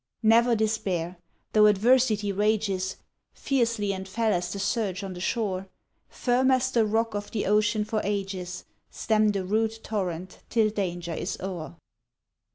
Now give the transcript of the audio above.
Never despair! Though adversity rages, Fiercely and fell as the surge on the shore, Firm as the rock of the ocean for ages, Stem the rude torrent till danger is o'er.